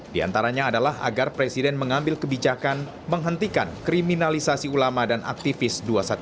di antaranya adalah agar presiden mengambil kebijakan menghentikan kriminalisasi ulama dan aktivis dua ratus dua belas